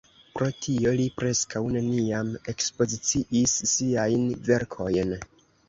Pro tio li preskaŭ neniam ekspoziciis siajn verkojn.